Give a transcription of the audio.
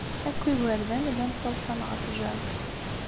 Akk igerdan llan ttaḍsan ɣef Jack.